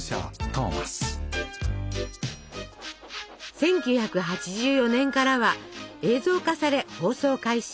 １９８４年からは映像化され放送開始。